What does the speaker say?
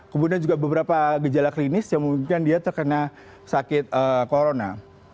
kemudian juga beberapa gejala klinis yang mungkin dia terkena sakit corona